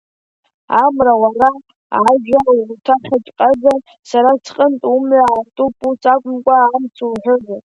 Амра уара ажәа улҭахьаҵәҟьазар сара сҟынтә умҩа аартуп, ус акәымкәа, амц уҳәозар…